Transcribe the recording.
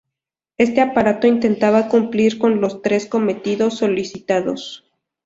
Este aparato intentaba cumplir con los tres cometidos solicitados.